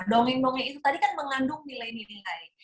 dongeng dongeng itu tadi kan mengandung nilai nilai